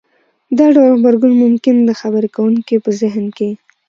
دا ډول غبرګون ممکن د خبرې کوونکي په زهن کې